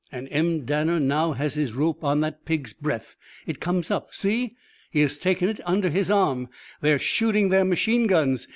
And M. Danner now has his rope on that pig's breath. It comes up. See! He has taken it under his arm! They are shooting their machine guns.